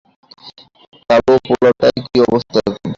কালো পোলাটার কী অবস্থা এখন?